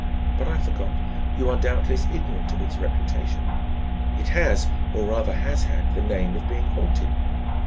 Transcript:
But I forgot; you are doubtless ignorant of its reputation. It has, or rather has had, the name of being haunted.